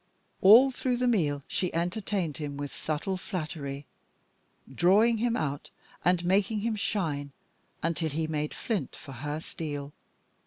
All through the meal she entertained him with subtle flattery, drawing him out, and making him shine until he made flint for her steel.